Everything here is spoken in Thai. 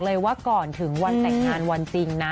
เลยว่าก่อนถึงวันแต่งงานวันจริงนะ